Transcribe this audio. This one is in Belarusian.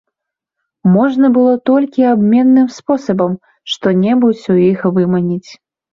Можна было толькі абменным спосабам што-небудзь у іх выманіць.